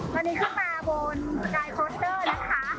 วันนี้ขึ้นมาบนสกายคอสเตอร์นะคะ